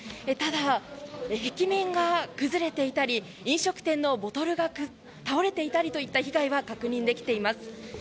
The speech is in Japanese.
ただ壁面が崩れていたり飲食店のボトルが倒れていたりといった被害が確認できています。